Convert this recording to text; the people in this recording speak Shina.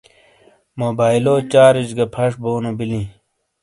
موبائیلو چارج گہ پھش بونو بِلِیں۔